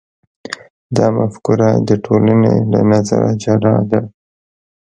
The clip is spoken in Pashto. دا مفکوره د ټولنې له نظره جلا ده.